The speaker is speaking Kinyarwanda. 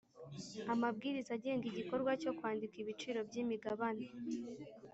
Amabwiriza agenga igikorwa cyo kwandika ibiciro by imigabane